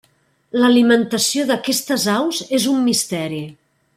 L'alimentació d'aquestes aus és un misteri.